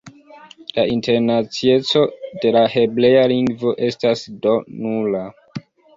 La internacieco de la hebrea lingvo estas do nula.